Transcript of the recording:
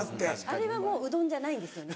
あれはもううどんじゃないんですよね